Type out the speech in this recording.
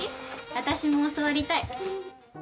私も教わりたい。